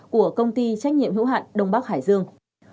của công ty trách nhiệm hữu hạn đông bắc hải dương